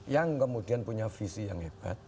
yang kemudian punya visi yang hebat